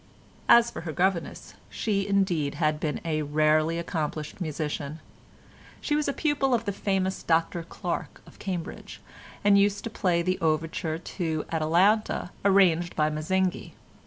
As for her governess, she indeed had been a rarely accomplished musician: she was a pupil of the famous Dr Clarke of Cambridge, and used to play the overture to Atalanta, arranged by Mazzinghi.